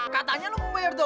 katanya lu mau bayar dobel